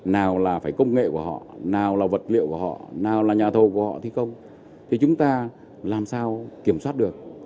nào là phải công nghệ của họ nào là vật liệu của họ nào là nhà thầu của họ thi công thì chúng ta làm sao kiểm soát được